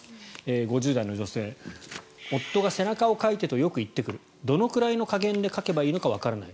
５０代の女性夫が背中をかいてとよく言ってくるどのくらいの加減でかけばいいのかわからない。